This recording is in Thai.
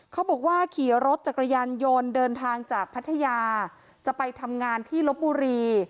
เขาบอกว่าขี่รถจักรยานยนต์เดินทางจากพัทยาจะไปทำงานที่ลบบุรี